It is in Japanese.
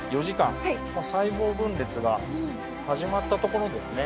細胞分裂が始まったところですね。